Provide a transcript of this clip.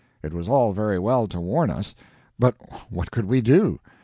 It was all very well to warn us, but what could WE do?